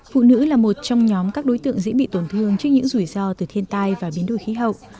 phụ nữ là một trong nhóm các đối tượng dĩ bị tổn thương trước những rủi ro từ thiên tai và biến đổi khí hậu